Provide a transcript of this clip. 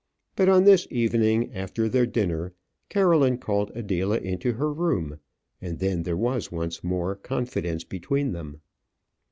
But on this evening after their dinner, Caroline called Adela into her room, and then there was once more confidence between them.